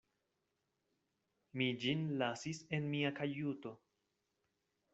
Mi ĝin lasis en mia kajuto.